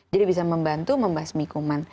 jadi bisa membantu membasmi kuman